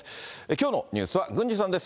きょうのニュースは郡司さんです。